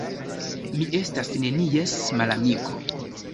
Mi estas nenies malamiko.